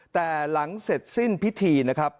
แต่หลังเสร็จสิ้นพิธีนะครับ